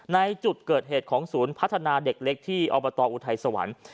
ในจุดเกิดเหตุของศูนย์พัฒนาเด็กเล็กที่อบตอุทัยสวรรค์